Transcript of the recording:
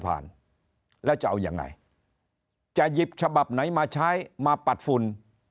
ผ่านแล้วจะเอายังไงจะหยิบฉบับไหนมาใช้มาปัดฝุ่น